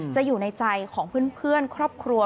อยู่ในใจของเพื่อนครอบครัว